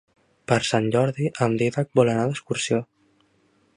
Per Sant Jordi en Dídac vol anar d'excursió.